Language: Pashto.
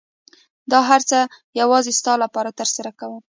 زه دا هر څه يوازې ستا لپاره ترسره کوم.